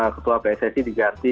ketua pssi diganti